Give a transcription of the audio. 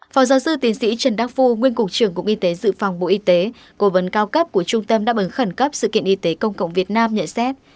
phó giáo sư tiến sĩ trần đắc phu nguyên cục trưởng cục y tế dự phòng bộ y tế cố vấn cao cấp của trung tâm đáp ứng khẩn cấp sự kiện y tế công cộng việt nam nhận xét